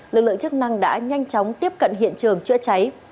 lực lượng chức năng đã nhanh chóng tiếp cận hiện trường chữa cháy